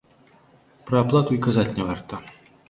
Пра аплату й казаць не варта.